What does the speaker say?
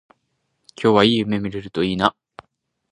今日はいい夢見れるといいな